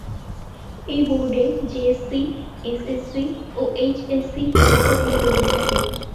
এই বোর্ডে JSC, SSC ও এইচএসসি পরীক্ষা গৃহীত হয়ে থাকে।